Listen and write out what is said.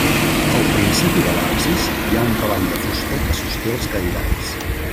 Al principi de l'absis hi ha un cavall de fusta que sosté els cairats.